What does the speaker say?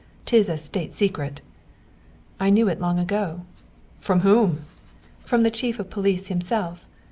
'Tis a State secret." "I knew it long ago." "From whom?" "From the Chief of the Police himself.